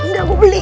enggak gue beli